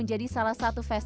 ini semakin mudah